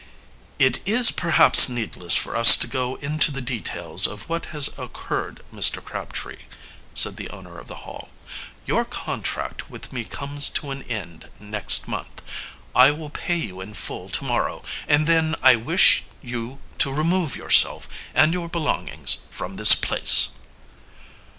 "It is perhaps needless for us to go into the details of what has occurred, Mr. Crabtree," said the owner of the Hall. "Your contract with me comes to an end next month. I will pay you in full tomorrow and then I wish you to remove yourself and your belongings from this place."